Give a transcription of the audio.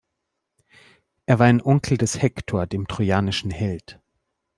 Er war ein Onkel des Hektor, dem trojanischen Held.